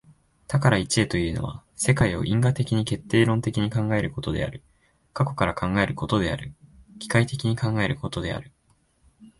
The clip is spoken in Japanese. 多から一へというのは、世界を因果的に決定論的に考えることである、過去から考えることである、機械的に考えることである。